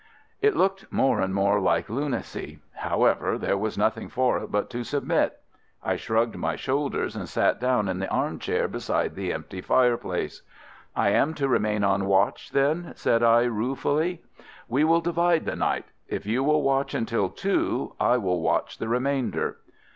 It looked more and more like lunacy. However, there was nothing for it but to submit. I shrugged my shoulders and sat down in the arm chair beside the empty fireplace. "I am to remain on watch, then?" said I, ruefully. "We will divide the night. If you will watch until two, I will watch the remainder."